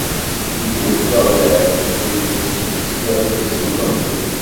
Iwwi-d leɣlab s uyeffus-is, s yiɣil-is imqeddes.